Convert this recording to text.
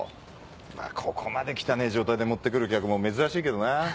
まぁここまで汚ねぇ状態で持って来る客も珍しいけどな。